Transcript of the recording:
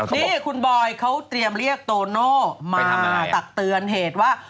นี่คุณบอยเขาเตรียมเรียกโตโน่มาตักเตือนเหตุว่า